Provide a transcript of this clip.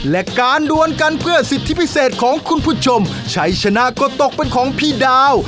และการดวนกันเพื่อสิทธิพิเศษของคุณผู้ชมชัยชนะก็ตกเป็นของพี่ดาว